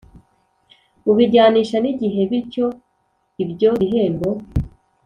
Ubijyanisha n igihe bityo ibyo bihembo